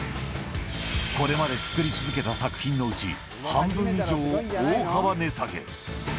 これまで作り続けた作品のうち、半分以上を大幅値下げ。